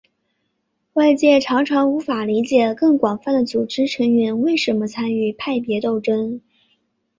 外界常常无法理解更广泛的组织成员为什么参与派别斗争。